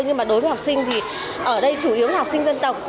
nhưng mà đối với học sinh thì ở đây chủ yếu là học sinh dân tộc